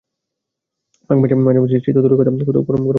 মাঘ মাসের মাঝামাঝি এসে শীত তো দূরে থাক, কোথাও কোথাও গরম অনুভব হচ্ছে।